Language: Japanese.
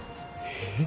えっ？